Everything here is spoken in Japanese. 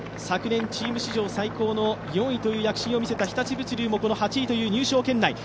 昨年チーム史上最高の４位という躍進を見せた日立物流もこの８位という入賞圏内。